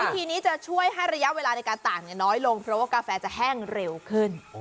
ทีนี้จะช่วยให้ระยะเวลาในการตากน้อยลงเพราะว่ากาแฟจะแห้งเร็วขึ้น